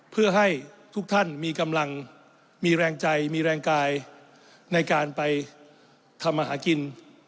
เพื่อให้ทุกท่านมีกำลังมีแรงใจมีแรงกายในการไปทำมาหากิน